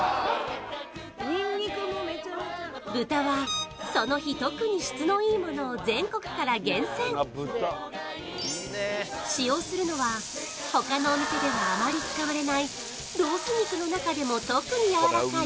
豚はその日特に質のいいものを全国から厳選使用するのは他のお店ではあまり使われないロース肉の中でも特にやわらかい